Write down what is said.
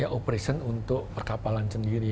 ya operation untuk perkapalan sendiri